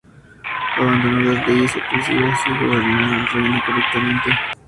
Abandonó las leyes opresivas y gobernó el reino correctamente.